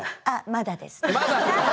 まだです。